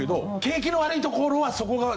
景気の悪いところはそこが。